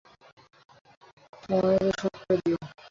সময়মতো শোধ করে দিও।